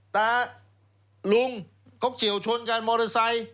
แต่ลุงเขาเฉียวชนกันมอเตอร์ไซค์